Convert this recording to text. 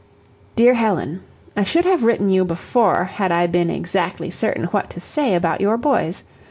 "DEAR HELEN: I should have written you before had I been exactly certain what to say about your boys.